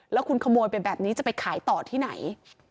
แล้วคุณขโมยไปแบบนี้จะไปขายต่อที่ไหน